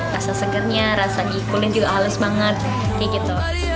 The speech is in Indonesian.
rasa segernya rasa di kulit juga halus banget